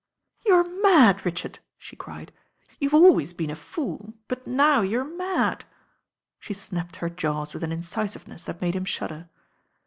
"You're mad, Richard," she cried, "you've al ways been a fool; but now you're mad." She snapped her jaws with an incisiveness that made him shudder.